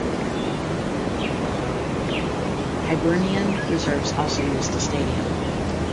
Hibernian Reserves also used the Stadium.